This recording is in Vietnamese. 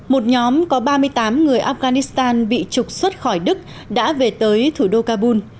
một nhóm có ba mươi tám người afghanistan bị trục xuất khỏi đức đã về tới thủ đô kabul